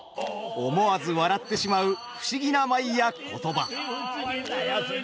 思わず笑ってしまう不思議な舞や言葉。